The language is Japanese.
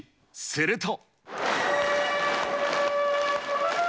すると。